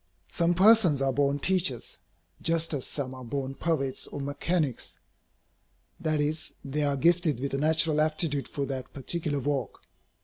Some persons are born teachers, just as some are born poets or mechanics. That is, they are gifted with a natural aptitude for that particular work.